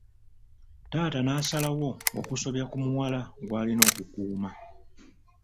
Taata n'asalawo okusobya ku muwala gw'alina okukuuma.